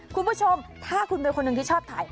คุณผู้ชมถ้าคุณเป็นคนหนึ่งที่ชอบถ่าย